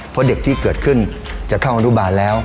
เพราะเด็กที่เกิดขึ้นจะเข้าอนุบาลแล้ว